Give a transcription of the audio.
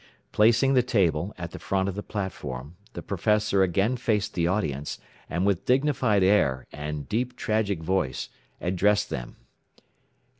Placing the table at the front of the platform, the professor again faced the audience, and with dignified air, and deep, tragic voice, addressed them.